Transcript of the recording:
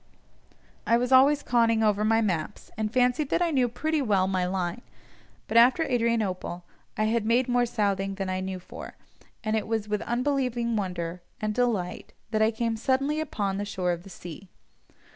I was always conning over my maps, and fancied that I knew pretty well my line, but after Adrianople I had made more southing than I knew for, and it was with unbelieving wonder, and delight, that I came suddenly upon the shore of the sea.